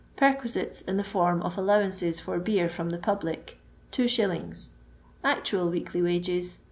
Perquisites in the form of alloMrancet for beer fnm the public .... 2i. Actual weekly wages